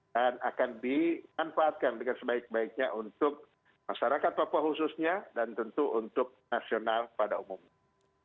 dan akan dimanfaatkan dengan sebaik baiknya untuk masyarakat papua khususnya dan tentu untuk nasional pada umumnya